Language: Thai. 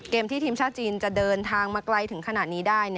ทีมที่ทีมชาติจีนจะเดินทางมาไกลถึงขนาดนี้ได้